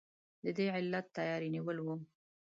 د دې علت تیاری نیول وو.